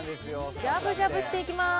じゃぶじゃぶしていきます。